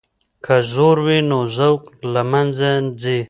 که زور وي نو ذوق له منځه ځي.